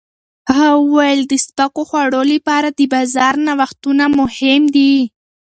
هغه وویل د سپکو خوړو لپاره د بازار نوښتونه مهم دي.